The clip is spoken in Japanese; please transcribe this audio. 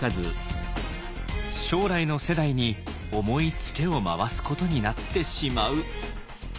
将来の世代に重いツケを回すことになってしまう。